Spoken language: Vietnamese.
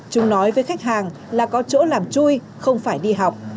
chúng nói với khách hàng là có chỗ làm chui không phải đi học